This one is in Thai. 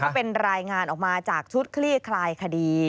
เป็นรายงานออกมาจากชุดคลี่คลายคดี